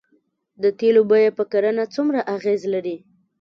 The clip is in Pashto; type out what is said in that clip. د تیلو بیه په کرنه څومره اغیز لري؟